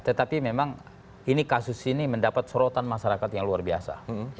tetapi memang ini kasus ini mendapat sorotan masyarakat yang luar biasa